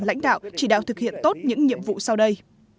lãnh đạo chỉ đạo thực hiện tốt những nhiệm vụ sau đây